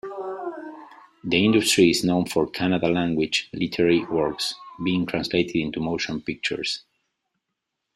The industry is known for Kannada language literary works, being translated into motion pictures.